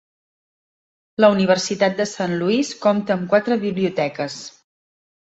La Universitat de Saint Louis compta amb quatre biblioteques.